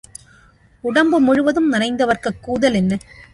உடம்பு முழுவதும் நனைந்தவர்க்குக் கூதல் என்ன?